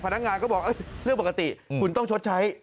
พนักงานก็บอกเรื่องปกติคุณต้องชดใช้